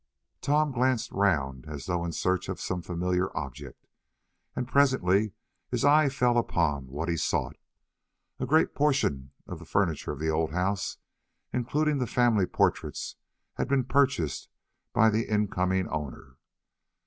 Tom glanced round as though in search of some familiar object, and presently his eye fell upon what he sought. A great proportion of the furniture of the old house, including the family portraits, had been purchased by the in coming owner.